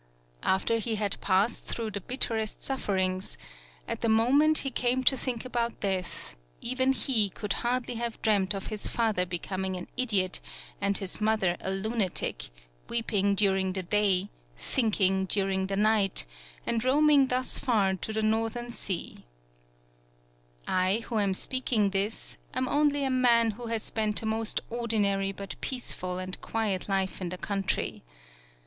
After he had passed through the bitterest sufferings, at the moment he came to think about 9eath, even he could hardly have dreamed of his father becoming an idiot, and his mother a lunatic, weeping during the day, thinking during the night, and roaming thus far to the northern sea. 145 PAULOWNIA I, who am speaking this, am only a man who has spent a most ordinary but peaceful and quiet life in the country.